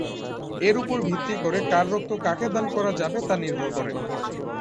এর উপর ভিত্তি করে কার রক্ত কাকে দান করা যাবে তা নির্ভর করে।